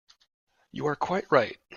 You are quite right.